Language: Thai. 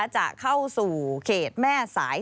จะเข้าสู่เขตแม่สาย